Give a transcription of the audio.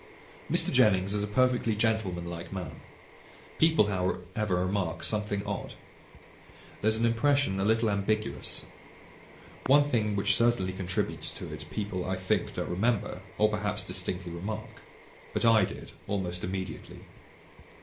Mr. Jennings is a perfectly gentlemanlike man. People, however, remark something odd. There is an impression a little ambiguous. One thing which certainly contributes to it, people I think don't remember; or, perhaps, distinctly remark. But I did, almost immediately.